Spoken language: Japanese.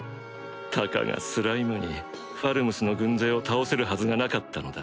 たかがスライムにファルムスの軍勢を倒せるはずがなかったのだ